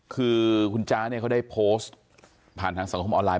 คือคุณจ๊ะเนี่ยเขาได้โพสต์ผ่านทางสังคมออนไลน